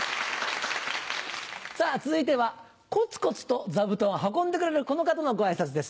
さぁ続いてはコツコツと座布団を運んでくれるこの方のご挨拶です